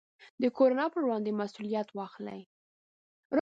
د کورونا پر وړاندې مسوولیت واخلئ.